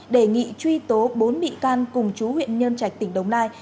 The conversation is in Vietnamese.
đề nghị truy tố bốn bị can cùng chú huyện nhân trạch tỉnh đồng nai